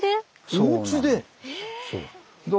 そう。